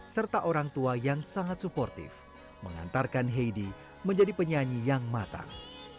serta orang tua yang sangat supportif mengantarkan heidi menjadi penyanyi yang matang